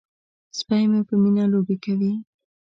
سپی مې په مینه لوبې کوي.